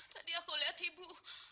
tadi aku melihat ibu